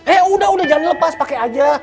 eh udah udah jangan lepas pake aja